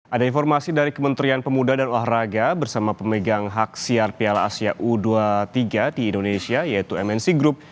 ada informasi dari kementerian pemuda dan olahraga bersama pemegang hak siar piala asia u dua puluh tiga di indonesia yaitu mnc group